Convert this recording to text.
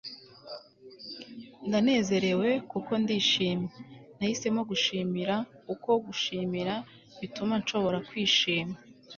ndanezerewe kuko ndishimye. nahisemo gushimira. ukwo gushimira bituma nshobora kwishima